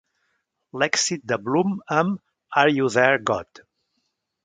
L'èxit de Blume amb Are You There God?